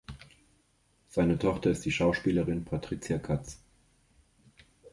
Seine Tochter ist die Schauspielerin Patricia Cutts.